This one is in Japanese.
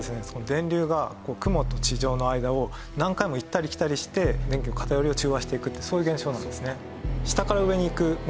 電流が雲と地上の間を何回も行ったり来たりして電気の偏りを中和していくっていうそういう現象なんですね。